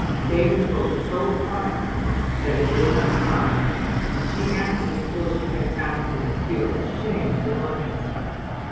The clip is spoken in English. David spoke so quietly that it did not startle her, and she answered before she had time to feel ashamed of her fancy.